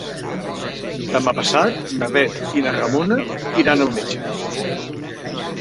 Demà passat na Bet i na Ramona iran al metge.